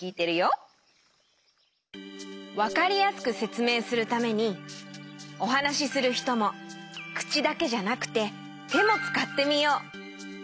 わかりやすくせつめいするためにおはなしするひともくちだけじゃなくててもつかってみよう。